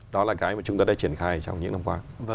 đó là cái mà chúng ta đã triển khai trong những năm qua